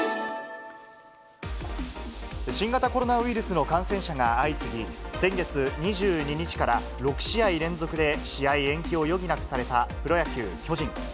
新型コロナウイルスの感染者が相次ぎ、先月２２日から６試合連続で試合延期を余儀なくされたプロ野球・巨人。